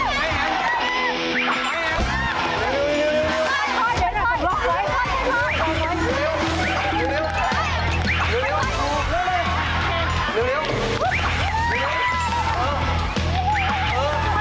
ไม่ค่อยไม่ค่อยไม่ค่อย